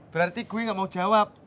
berarti gue gak mau jawab